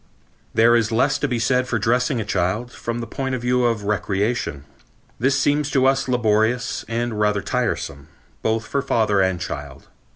There is less to be said for dressing a child, from the point of view of recreation. This seems to us laborious and rather tiresome, both for father and child.